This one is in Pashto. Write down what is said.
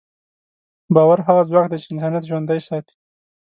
باور هغه ځواک دی چې انسانیت ژوندی ساتي.